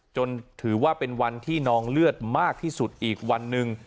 ถือว่าเป็นวันที่นองเลือดมากที่สุดอีกวันหนึ่ง